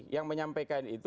yang menyampaikan itu